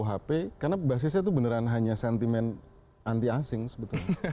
kuhp karena basisnya itu beneran hanya sentimen anti asing sebetulnya